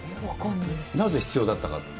なぜ必要だったか。